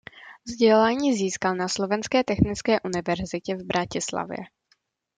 Vzdělání získal na Slovenské technické univerzitě v Bratislavě.